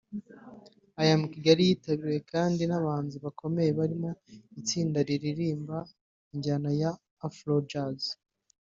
I am Kigali yitabiriwe kandi n’abahanzi bakomeye barimo itsinda riririmba injyana ya Afrojazz